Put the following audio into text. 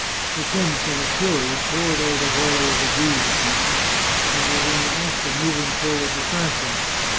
The prince, in a fury, poured out a volley of abuse upon him, and was in the act of moving forward to thrash him.